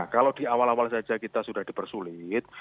kalau di awal awal saja kita sudah dipersulit